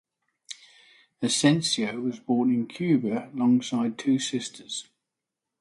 Asensio was born in Cuba alongside two sisters.